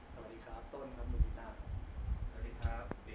สวัสดีครับ